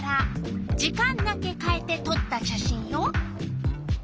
時間だけかえてとった写真よ。